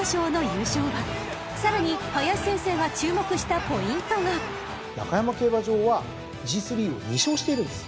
［さらに林先生が注目したポイントが］中山競馬場はＧⅢを２勝しているんです。